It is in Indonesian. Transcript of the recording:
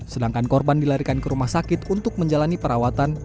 sedangkan korban dilarikan ke rumah sakit untuk menjalani perawatan